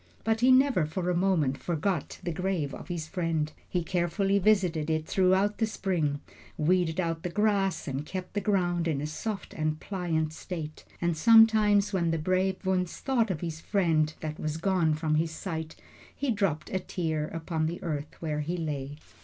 But he never for a moment forgot the grave of his friend. He carefully visited it throughout the spring, weeded out the grass, and kept the ground in a soft and pliant state; and sometimes, when the brave Wunzh thought of his friend that was gone from his sight, he dropped a tear upon the earth where he lay.